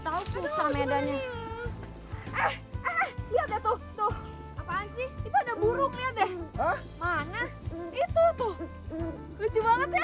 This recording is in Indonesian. tahu susah medanya lihat tuh tuh apaan sih itu ada burung lihat deh mana itu tuh lucu banget ya